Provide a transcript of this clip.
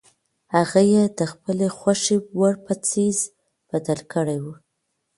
هغه یې د خپلې خوښې وړ په څیز بدل کړی وي.